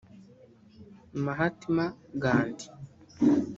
Mahatma Ghandi